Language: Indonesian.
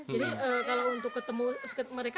jadi kalau untuk ketemu mereka